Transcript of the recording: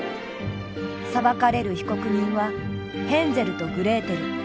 裁かれる被告人はヘンゼルとグレーテル。